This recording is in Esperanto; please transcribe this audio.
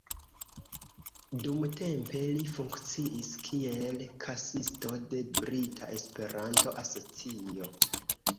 Dumtempe li funkciis kiel kasisto de Brita Esperanto-Asocio.